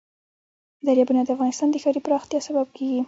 دریابونه د افغانستان د ښاري پراختیا سبب کېږي.